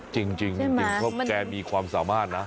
จริงเพราะแกมีความสามารถนะ